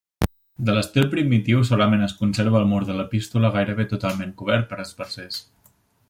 De l'estil primitiu solament es conserva el mur de l'epístola gairebé totalment cobert per esbarzers.